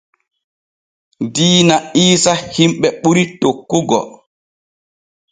Diina iisa himɓe ɓuri tokkugo.